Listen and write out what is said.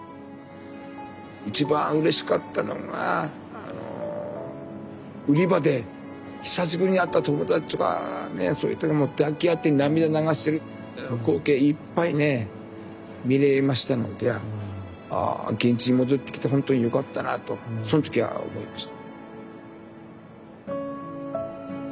一番うれしかったのが売り場で久しぶりに会った友達とかねそういったもう抱き合って涙流してる光景いっぱいね見れましたのであ現地に戻ってきてほんとによかったなとその時は思いました。